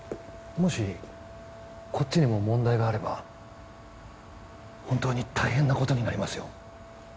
もしこっちにも問題があれば本当に大変なことになりますよ